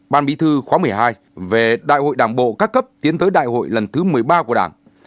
ban bí thư khóa một mươi hai về đại hội đảng bộ các cấp tiến tới đại hội lần thứ một mươi ba của đảng